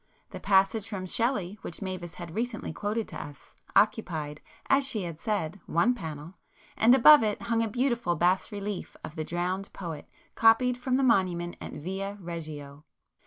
The passage from Shelley which Mavis had recently quoted to us, occupied, as she had said, one panel, and above it hung a beautiful bas relief of the drowned poet copied from the monument at Via Reggio.